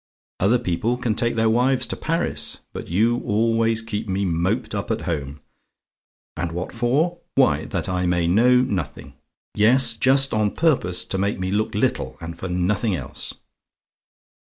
Other people can take their wives to Paris; but you always keep me moped up at home. And what for? Why, that I may know nothing yes; just on purpose to make me look little, and for nothing else.